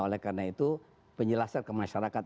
oleh karena itu penjelasan ke masyarakat